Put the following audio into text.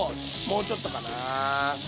もうちょっとかな。